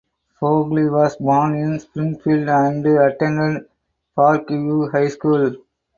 Fogle was born in Springfield and attended Parkview High School.